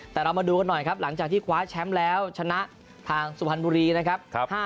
แต่เรามาดูกันหน่อยครับหลังจากที่คว้าแชมป์แล้วชนะทางสุพรรณบุรีนะครับ